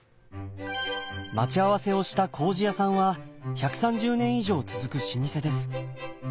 待ち合わせをしたこうじやさんは１３０年以上続く老舗です。